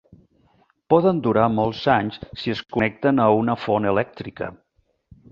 Poden durar molts anys si es connecten a una font elèctrica.